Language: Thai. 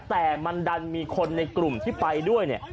แต่มันดันมีคนในกลุ่มที่ไปด้วยเนี่ย